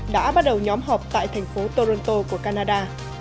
đã bắt đầu nhóm họp tại thành phố toronto của canada